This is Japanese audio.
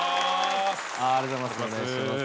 ありがとうございます。